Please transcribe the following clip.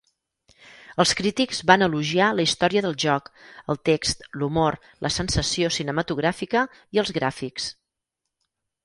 Els crítics van elogiar la història del joc, el text, l'humor, la sensació cinematogràfica i els gràfics.